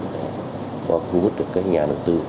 để có thu hút được các nhà đầu tư